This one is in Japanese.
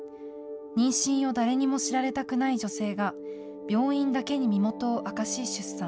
妊娠を誰にも知られたくない女性が病院だけに身元を明かし出産。